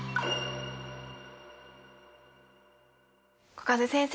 小風先生